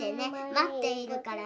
待っているからね。